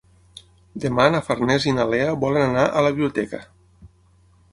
Demà na Farners i na Lea volen anar a la biblioteca.